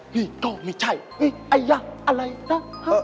นี่ก็ไม่ใช่นี่ไอ้ะอะไรนะ